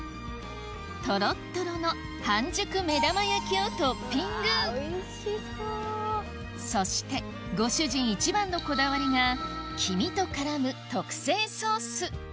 トロットロの半熟目玉焼きをトッピングそしてご主人一番のこだわりが黄身と絡む特製ソース